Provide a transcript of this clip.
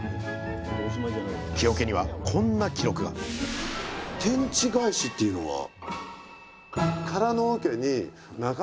木おけにはこんな記録が「天地返し」っていうのは？